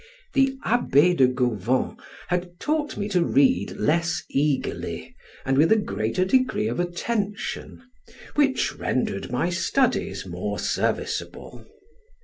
The Abbe de Gauvon had taught me to read less eagerly, and with a greater degree of attention, which rendered my studies more serviceable.